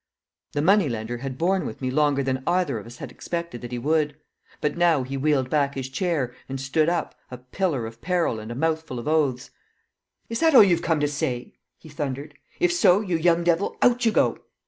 The money lender had borne with me longer than either of us had expected that he would; but now he wheeled back his chair and stood up, a pillar of peril and a mouthful of oaths. "Is that all you've come to say?" he thundered. "If so, you young devil, out you go!"